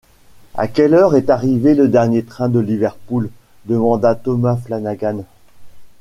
À quelle heure est arrivé le dernier train de Liverpool? demanda Thomas Flanagan.